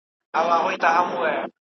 موږ به په راتلونکي کي نظم ولرو.